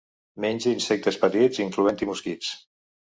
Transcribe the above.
Menja insectes petits, incloent-hi mosquits.